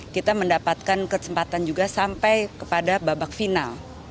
kita mendapatkan kesempatan juga sampai kepada babak final